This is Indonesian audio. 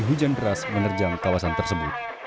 hujan deras menerjang kawasan tersebut